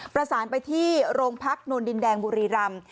ประสานไปที่โรงพักโนนดินแดงบุรีรำ